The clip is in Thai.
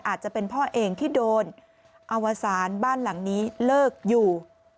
อาจจะเป็นพ่อเองที่โดนอวสารบ้านหลังนี้เลิกอยู่